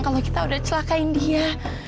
kalau kita udah celakain dia